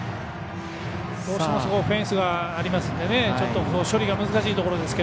フェンスがありますので処理が難しいところですが。